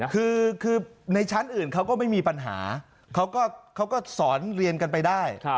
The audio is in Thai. คือในชั้นอื่นเขาก็ไม่มีปัญหาเขาก็สอนเรียนกันไปได้